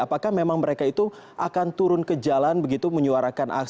apakah memang mereka itu akan turun ke jalan begitu menyuarakan aksinya